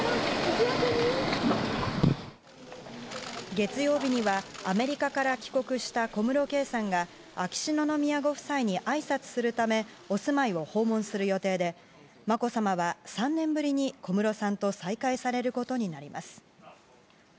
月曜日には、アメリカから帰国した小室圭さんが秋篠宮ご夫妻にあいさつするためお住まいを訪問する予定でまこさまは３年ぶりに小室さんと再会されることになります。